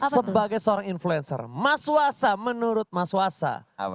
sebagai seorang influencer mas wasa menurut mas wasa